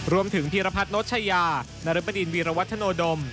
รวมถึงภีรพัฒน์โนชยานรพดินวีรวัฒนโดม